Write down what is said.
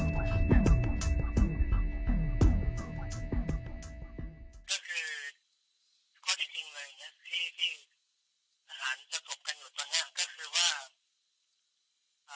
ก็คือข้อที่จริงเลยนะที่ที่อาหารจะตกกันอยู่ตอนนี้ก็คือว่าอ่า